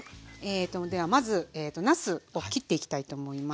ではまずなすを切っていきたいと思います。